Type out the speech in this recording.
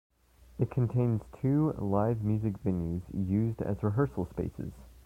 It contains two live music venues used as rehearsal spaces.